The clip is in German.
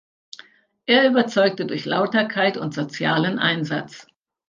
Er überzeugte durch Lauterkeit und sozialen Einsatz.